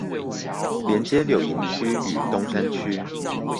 連接柳營區與東山區